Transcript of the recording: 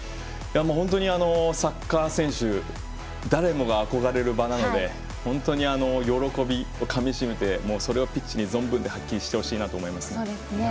本当に、サッカー選手誰もが憧れる場なので本当に喜びをかみしめてそれをピッチで存分に発揮してほしいなと思います。